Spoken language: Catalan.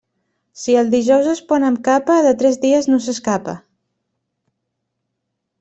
Si el dijous es pon amb capa, de tres dies no s'escapa.